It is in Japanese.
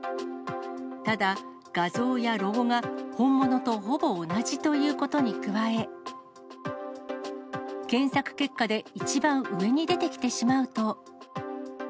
ただ、画像やロゴが本物とほぼ同じということに加え、検索結果で一番上に出てきてしまうと。